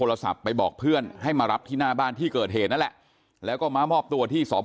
เขาก็บอกว่ามองด่าผมทำไมอะไรอย่างเงี้ยอูรุ่นไหนอืมประมาณเนี้ยค่ะ